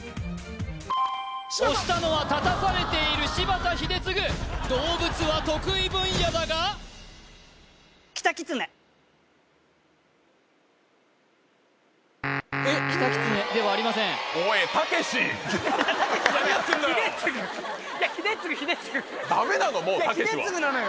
押したのは立たされている柴田英嗣動物は得意分野だがキタキツネではありませんたけしじゃない英嗣なのよ